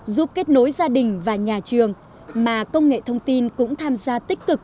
giúp kết nối gia đình và nhà trường mà công nghệ thông tin cũng tham gia tích cực